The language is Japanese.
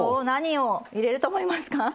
何を入れると思いますか？